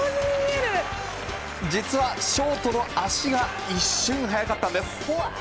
実はショートの足が一瞬早かったんです。